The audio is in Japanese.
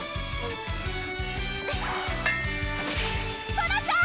ソラちゃん！